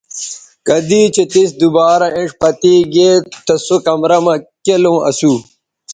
کدی چہء تِس دوبارہ اینڇ پتے گے تہ سو کمرہ مہ کیلوں اسو